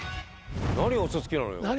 何が嘘つきなのよ。